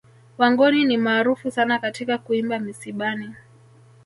Wangoni ni maarufu sana katika kuimba misibani